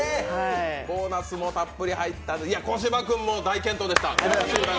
ボーナスもたっぷり入ったいや、小柴君も大健闘でした。